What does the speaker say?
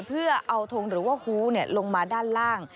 เพื่อเอาทงหรือว่าฮู้ลงมาด้านล่าง